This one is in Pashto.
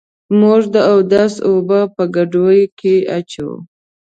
موږ د اودس اوبه په ګډوه کي اچوو.